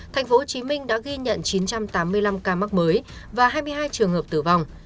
tp hcm đã ghi nhận chín trăm tám mươi năm ca mắc mới và hai mươi hai trường hợp tử vong